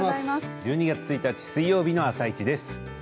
１２月１日水曜日の「あさイチ」です。